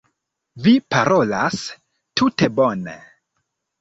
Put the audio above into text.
Vi parolas tute bone.